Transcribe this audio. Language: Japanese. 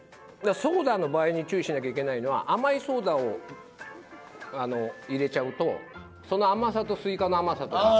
ソーダの場合に注意しなきゃいけないのは甘いソーダを入れちゃうとその甘さとすいかの甘さと。